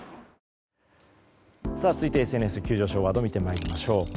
続いてＳＮＳ急上昇ワードを見てまいりましょう。